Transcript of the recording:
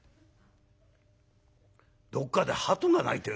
「どっかでハトが鳴いてる？」。